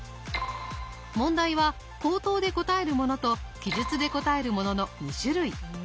問題は口頭で答えるものと記述で答えるものの２種類。